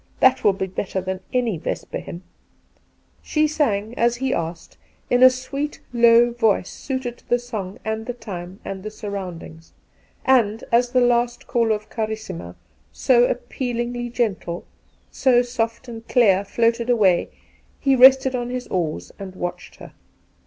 That will be better than any " Vesper Hymn." ' She sang, as he asked, in a sweet, low voice suited to the song and the time and the surround ings ; and as the last call of ' Carissima,' ,^ so appealingly gentle, so soft and clear, floated away, he rested on his oars and watched her.